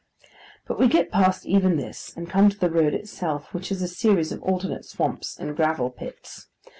But we get past even this, and come to the road itself, which is a series of alternate swamps and gravel pits.